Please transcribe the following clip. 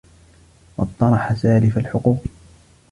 وَاطَّرَحَ سَالِفَ الْحُقُوقِ